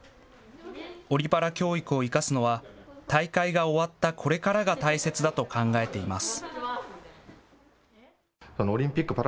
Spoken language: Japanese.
オリパラ教育を生かすのは大会が終わったこれからが大切だと考えています。